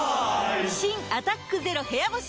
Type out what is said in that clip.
新「アタックＺＥＲＯ部屋干し」